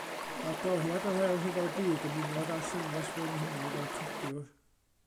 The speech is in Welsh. Ar doriad yr Ail Ryfel Byd ymunodd â'r Llynges Frenhinol fel codiwr.